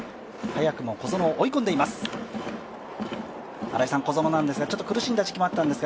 早くも小園を追い込んでいます。